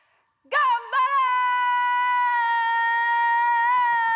頑張れ！